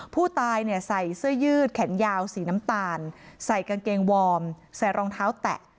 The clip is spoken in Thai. ผู้ตายเนี่ยใส่เสื้อยืดแขนยาวสีน้ำตาลใส่กางเกงวอร์มใส่รองเท้าแตะ